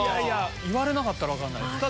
言われなかったら分かんない。